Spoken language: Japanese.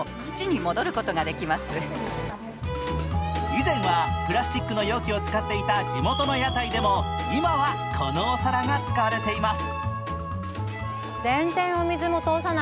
以前はプラスチックの容器を使っていた地元の屋台でも今はこのお皿が使われています。